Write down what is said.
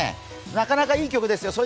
なかなかいい曲ですよ。